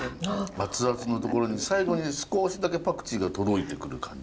アツアツのところに最後に少しだけパクチーが届いてくる感じ。